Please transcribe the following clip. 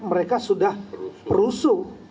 mereka sudah rusuh